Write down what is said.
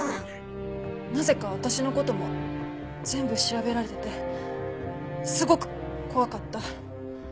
なぜか私の事も全部調べられててすごく怖かった。